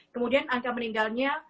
kemudian angka meninggalnya